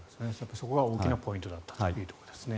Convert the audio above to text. そこが大きなポイントだったということですね。